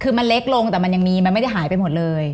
คือมันเล็กลงแต่มันยังมีมันไม่ได้หายไปหมดเลย